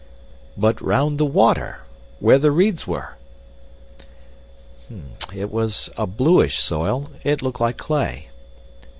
"But round the water where the reeds were?" "It was a bluish soil. It looked like clay."